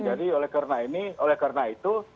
jadi oleh karena ini oleh karena itu